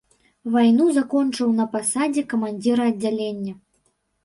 Вайну закончыў на пасадзе камандзіра аддзялення.